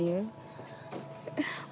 ya sudah sudah